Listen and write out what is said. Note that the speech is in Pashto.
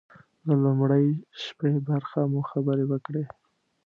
د لومړۍ شپې برخه مو خبرې وکړې.